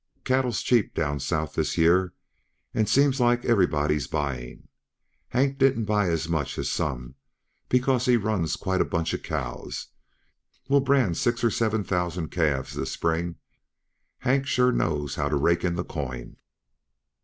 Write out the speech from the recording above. Cattle's cheap down South, this year, and seems like everybody's buying. Hank didn't buy as much as some, because he runs quite a bunch uh cows; we'll brand six or seven thousand calves this spring. Hank sure knows how to rake in the coin."